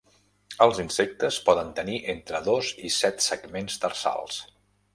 Els insectes poden tenir entre dos i set segments tarsals.